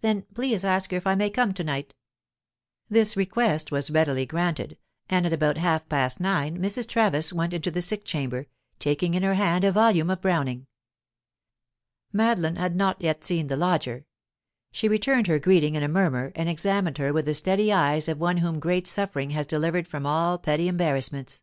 "Then please ask her if I may come to night." This request was readily granted, and at about half past nine Mrs. Travis went into the sick chamber, taking in her hand a volume of Browning. Madeline had not yet seen the lodger; she returned her greeting in a murmur, and examined her with the steady eyes of one whom great suffering has delivered from all petty embarrassments.